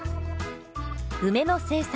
梅の生産